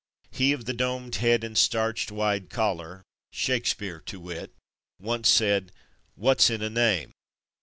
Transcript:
He of the domed head and starched, wide collar — Shake speare to wit — once said "What's in a name?''